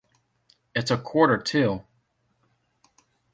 It's a quarter to.